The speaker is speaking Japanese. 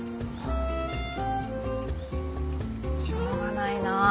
しょうがないな。